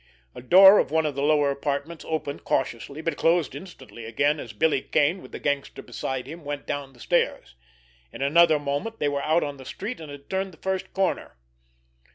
A door of one of the lower apartments opened cautiously, but closed instantly again, as Billy Kane, with the gangster beside him, went down the stairs. In another moment they were out on the street, and had turned the first corner.